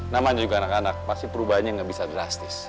namanya juga anak anak pasti perubahannya nggak bisa drastis